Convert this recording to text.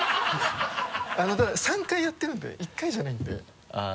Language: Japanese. ただ３回やってるんで１回じゃないんで。